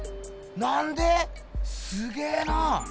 なんで⁉すげえな！